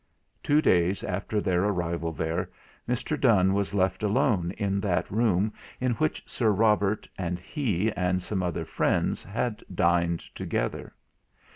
Two days after their arrival there, Mr. Donne was left alone in that room in which Sir Robert, and he, and some other friends had dined together.